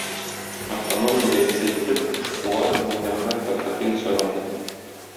Автономия рәисе итеп, эшкуар Миннәхмәт Фәтхетдинов сайланды